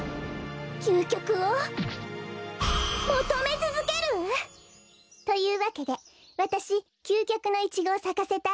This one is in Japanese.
きゅうきょくをもとめつづける！というわけでわたしきゅうきょくのイチゴをさかせたいの。